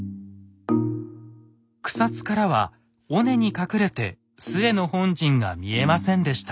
草津からは尾根に隠れて陶の本陣が見えませんでした。